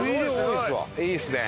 いいですね。